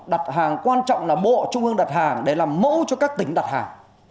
đặt hàng quan trọng là bộ trung ương đặt hàng để làm mẫu cho các tỉnh đặt hàng